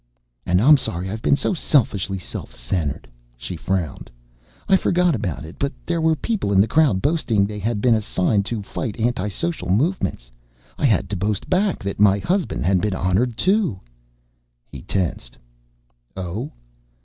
"And I'm sorry I've been so selfishly self centered." She frowned. "I forgot about it, but there were people in the crowd boasting they had been assigned to fight anti social movements. I had to boast back that my husband had been honored too." He tensed. "Oh?